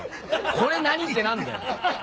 これ何？って何だよ。